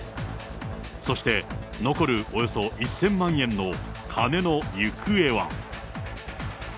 そして残るおよそ１０００万円の金の行方は。